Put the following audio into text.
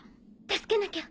助けなきゃ。